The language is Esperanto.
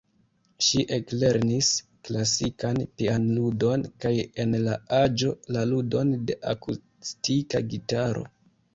Ŝi eklernis klasikan pianludon kaj en la aĝo la ludon de akustika gitaro.